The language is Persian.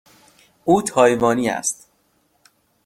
او تایوانی است.